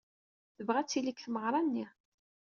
Tebɣa ad tili deg tmeɣra-nni.